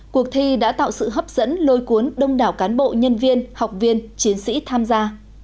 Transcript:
cuộc thi đã tạo sự hấp dẫn lôi cuốn đông đảo cán bộ nhân viên học viên chiến sĩ tham gia